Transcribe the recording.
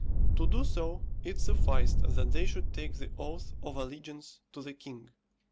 To do so, it sufficed that they should take the oath of allegiance to the king.